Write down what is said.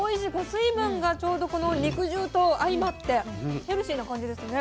水分がちょうどこの肉汁と相まってヘルシーな感じですね。